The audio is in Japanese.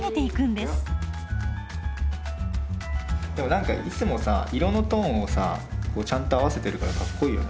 でも何かいつもさ色のトーンをちゃんと合わせてるからかっこいいよね。